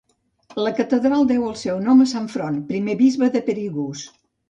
La catedral deu el seu nom a Sant Front, primer bisbe de Perigús.